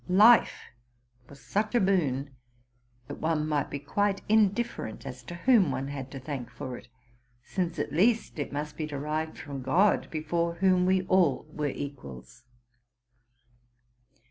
Life was such a boon, that one might be quite indifferent as to whom one had to thank for it; since at least it must be derived from God, before whom we all were equals.